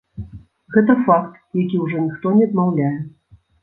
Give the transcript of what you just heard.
Гэта факт, які ўжо ніхто не адмаўляе.